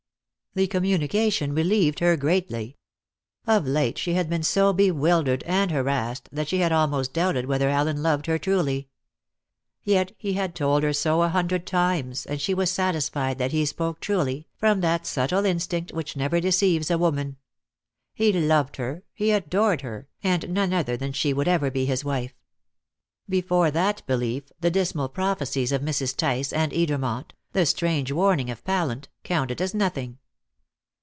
The communication relieved her greatly. Of late she had been so bewildered and harassed that she had almost doubted whether Allen loved her truly. Yet he had told her so a hundred times, and she was satisfied that he spoke truly, from that subtle instinct which never deceives a woman. He loved her, he adored her, and none other than she would ever be his wife. Before that belief the dismal prophecies of Mrs. Tice and Edermont, the strange warning of Pallant, counted as nothing.